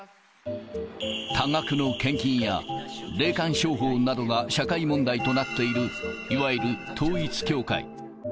多額の献金や、霊感商法などが社会問題となっている、いわゆる統一教会。